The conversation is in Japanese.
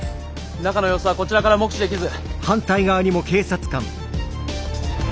中の様子はこちらから目視できず。